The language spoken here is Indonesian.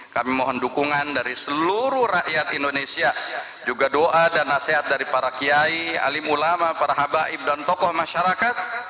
kami mohon dukungan dari seluruh rakyat indonesia juga doa dan nasihat dari para kiai alim ulama para habaib dan tokoh masyarakat